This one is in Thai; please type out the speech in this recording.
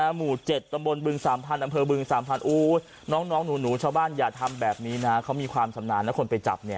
หมู่๗ตำบลบึง๓๐๐อำเภอบึง๓๐๐น้องหนูชาวบ้านอย่าทำแบบนี้นะเขามีความชำนาญนะคนไปจับเนี่ย